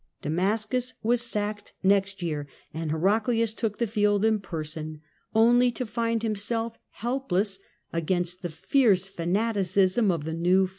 Damascus was sacked next year, ami Heraclius took the field in person, only to find himself helpless against the fierce fanaticism of the new foe.